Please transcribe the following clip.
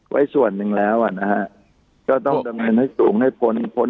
ไว้ส่วนหนึ่งแล้วอ่ะนะฮะก็ต้องดำเนินให้สูงให้พ้นพ้น